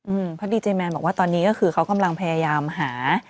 เพราะดีเจแมนบอกว่าตอนนี้ก็คือเขากำลังพยายามหา